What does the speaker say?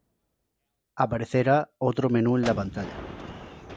aparecerá otro menú en la pantalla